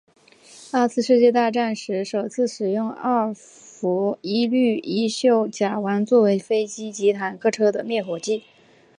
二次世界大战时首次使用二氟一氯一溴甲烷作为飞机及坦克车的灭火剂。